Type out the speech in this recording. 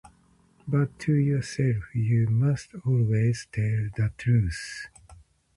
But to yourself you must always tell the truth.